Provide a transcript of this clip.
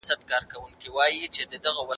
سپین ویښتان په رښتیا هم د زغم او حوصلې نښه ده.